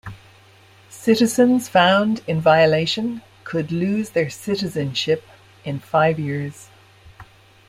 Citizens found in violation could lose their citizenship in five years.